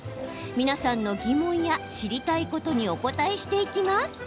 皆さんの疑問や知りたいことにお答えしていきます。